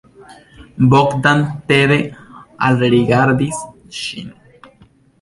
Bogdan tede alrigardis ŝin.